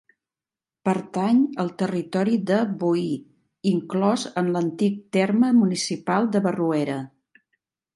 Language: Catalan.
Pertany al territori de Boí, inclòs en l'antic terme municipal de Barruera.